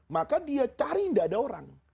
maka dia cari tidak ada orang